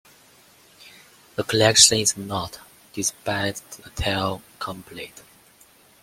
The collection is not, despite the title, complete.